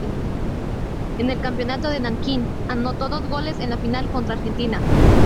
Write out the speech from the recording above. En el campeonato de Nankín anotó dos goles en la final contra Argentina.